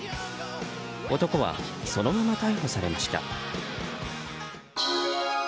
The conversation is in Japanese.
男はそのまま逮捕されました。